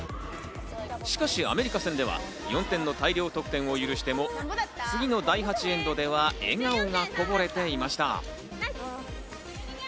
しかしアメリカ戦では４点の大量得点を許しても、次の第８エンドでは笑顔がこぼれていました。